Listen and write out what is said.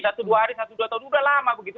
satu dua hari satu dua tahun sudah lama begitu